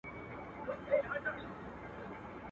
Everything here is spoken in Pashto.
دا تیارې به رڼا کیږي !.